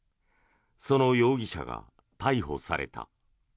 その容疑者が逮捕された。